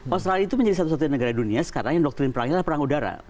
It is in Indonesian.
australia itu menjadi satu satunya negara dunia sekarang yang doktrin perangnya adalah perang udara